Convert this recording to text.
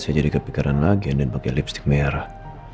saya jadi kepikiran lagi andin pake lipstick merah